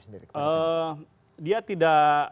sendiri dia tidak